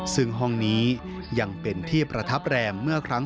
ซึ่งห้องนี้ยังเป็นที่ประทับแรมเมื่อครั้ง